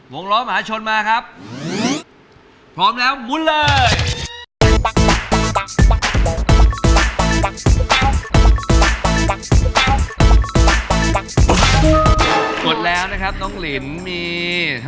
หนูชอบศิลปินเกาหลีนะคะ